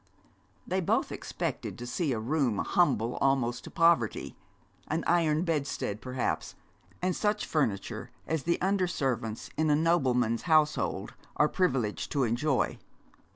They both expected to see a room humble almost to poverty an iron bedstead, perhaps, and such furniture as the under servants in a nobleman's household are privileged to enjoy.